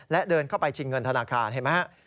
และเดินเข้าไปชิงเงินธนาคารเห็นไหมฮะ